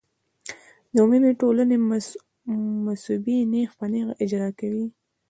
د عمومي ټولنې مصوبې نېغ په نېغه اجرا کوي.